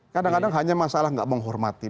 kadang kadang hanya masalah keadaan itu saja pak